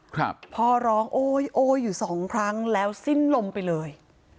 ครับพ่อร้องโอ๊ยโอ้ยอยู่สองครั้งแล้วสิ้นลมไปเลย